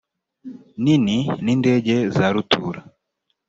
nini n indege za rutura